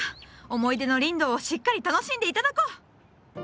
思い出のリンドウをしっかり楽しんで頂こう！